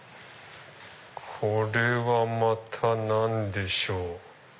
これはまた何でしょう。